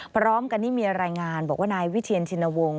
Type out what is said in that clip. พร้อมกันนี่มีรายงานบอกว่านายวิเชียนชินวงศ